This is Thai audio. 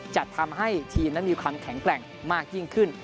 จะทำให้ทีมนั้นมีความแข็งแกร่งมากยิ่งขึ้น